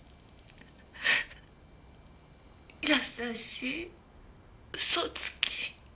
優しい嘘つき。